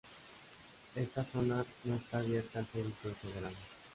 Esta zona no está abierta al público en general.